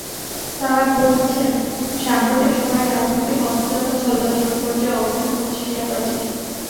তাঁরা বলছেন, সাম্প্রতিক সময়ে রাজনৈতিক অস্থিরতা চললেও একটি পর্যায়ে অবস্থান করছে শেয়ারবাজার।